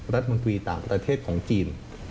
รัฐมนตรีต่างประเทศของจีน